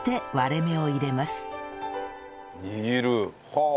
はあ！